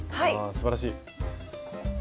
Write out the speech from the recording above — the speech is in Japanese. あすばらしい！